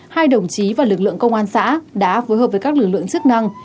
hai đồng chí và lực lượng công an xã đã phối hợp với các lực lượng chức năng